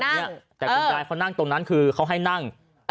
แต่คุณยายเขานั่งตรงนั้นคือเขาให้นั่ง